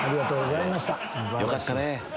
よかったね！